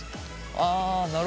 ああなるほど。